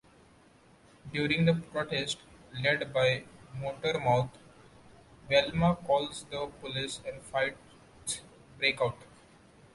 During the protest, led by Motormouth, Velma calls the police and fights break out.